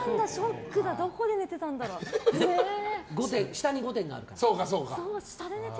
下に御殿があるから。